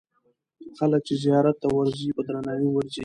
خلک چې زیارت ته ورځي، په درناوي ورځي.